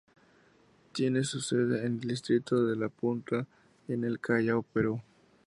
Tiene su sede en el distrito de La Punta en el Callao, Perú.